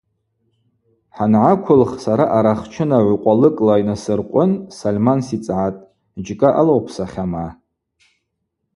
Хӏангӏаквылх сара арахчына гӏвкъвалыкӏла йнасыркъвын Сольман сицӏгӏатӏ: – Джькӏа алаупсахьама?